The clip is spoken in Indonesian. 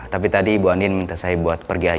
tapi tadi ibu andien minta saya buat pergi ke kantor